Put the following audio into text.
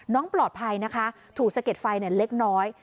น้องปลอดภัยนะคะถูกสะเก็ดไฟเล็กน้อย